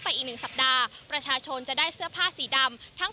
อีก๑สัปดาห์ประชาชนจะได้เสื้อผ้าสีดำทั้ง